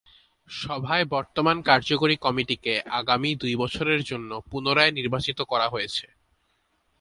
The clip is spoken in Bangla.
সভায় বর্তমান কার্যকরী কমিটিকে আগামী দুই বছরের জন্য পুনরায় নির্বাচিত করা হয়েছে।